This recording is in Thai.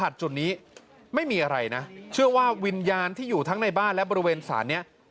ที่อยู่ทั้งในบ้านและบริเวณศาลนี้